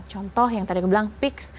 contoh yang tadi aku bilang pix